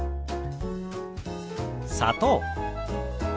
「砂糖」。